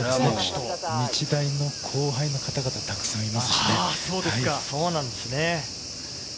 日大の後輩の方々がたくさんいますね。